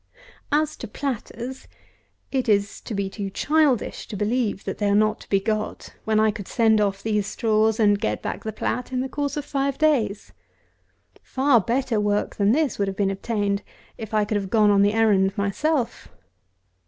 As to platters, it is to be too childish to believe that they are not to be got, when I could send off these straws, and get back the plat, in the course of five days. Far better work than this would have been obtained if I could have gone on the errand myself.